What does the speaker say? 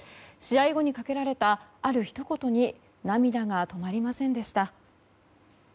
試合後にかけられたあるひと言に涙が止まりませんでした。